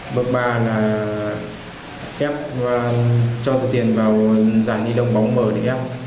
bước ba là cho tựa tiền vào giải đi động bóng mở để ép